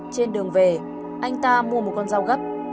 trên đường về anh ta mua một con dao gấp